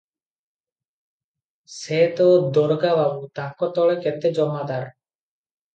ସେ ତ ଦରୋଗା ବାବୁ, ତାଙ୍କ ତଳେ କେତେ ଜମାଦାର ।